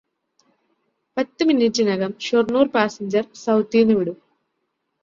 പത്ത് മിനിറ്റിനകം ഷോര്ണൂര് പാസഞ്ചര് സൌത്തീന്നു വിടും